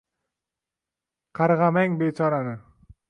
Qarg‘amang bechorani.